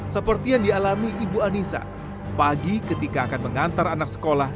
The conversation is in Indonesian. seperti yang dialami ibu anissa pagi ketika akan mengantar anak sekolah